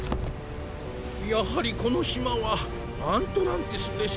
やはりこのしまはアントランティスでしたか。